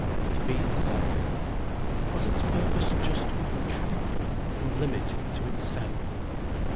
To be itself? Was its purpose just mechanical and limited to itself?